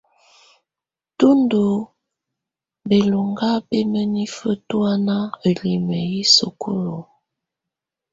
Tú ndɔ́ bɛlɔŋga bɛ mǝnifǝ tɔ̀ána ǝlimǝ yɛ sukulu.